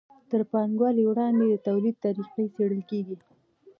تر پانګوالۍ وړاندې د توليد طریقې څیړل کیږي.